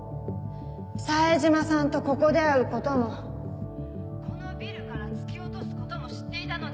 冴島さんとここで会うこともこのビルから突き落とすことも知っていたので。